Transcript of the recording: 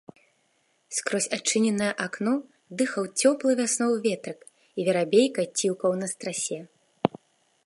Скрозь адчыненае акно дыхаў цёплы вясновы ветрык, і верабейка ціўкаў на страсе.